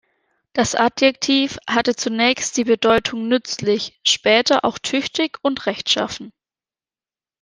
Das Adjektiv hatte zunächst die Bedeutung „nützlich“, später auch „tüchtig“ und „rechtschaffen“.